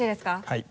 はい。